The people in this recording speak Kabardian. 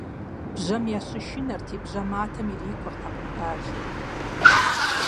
Бжьэм ящышынэрти, бжьэматэм ирикуртэкъым бажэм.